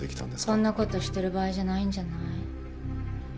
こんなことしてる場合じゃないんじゃない？